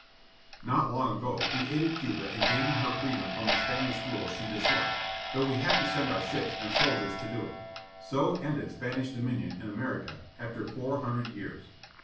Not long ago we aided Cuba in gaining her freedom from a Spanish rule she disliked, though we had to send our ships and soldiers to do it. So ended Spanish dominion in America, after four hundred years.